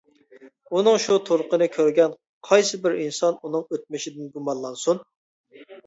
ئۇنىڭ شۇ تۇرقىنى كۆرگەن قايسىبىر ئىنسان ئۇنىڭ ئۆتمۈشىدىن گۇمانلانسۇن؟ !